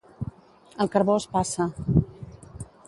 El carbó es passa.